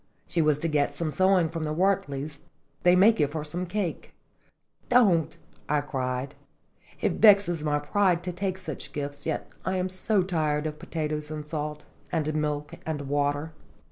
"She was to get some sewing from the Wertley's they may give her some cake." "Don't!" I cried, it vexes my pride to take such gifts yet I am so tired of potatoes and salt, and milk and water."